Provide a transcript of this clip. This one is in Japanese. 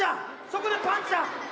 そこでパンチだ！